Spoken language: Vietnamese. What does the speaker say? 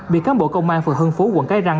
bị cán bộ công an phường hưng phú quận cái răng